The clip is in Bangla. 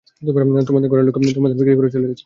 তোমাদের ঘরের লোক তোমাদের বিক্রি করে চলে গেছে।